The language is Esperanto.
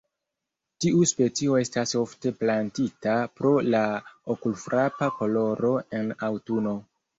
Tiu specio estas ofte plantita pro la okulfrapa koloro en aŭtuno.